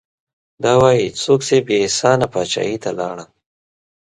دا وايي څوک چې بې احسانه پاچاهي ته لاړم